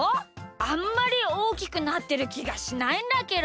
あんまりおおきくなってるきがしないんだけど。